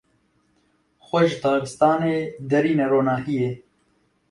Xwe ji taristanê derîne ronahiyê.